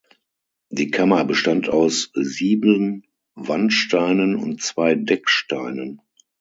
Die Kammer bestand aus sieben Wandsteinen und zwei Decksteinen.